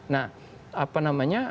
nah apa namanya